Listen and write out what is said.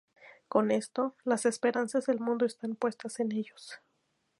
Con esto, las esperanzas del mundo están puestas en ellos.